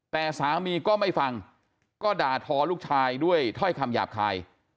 แต่สามีก็ไม่ฟังก็ด่าทอลูกชายด้วยถ้อยคำหยาบคาย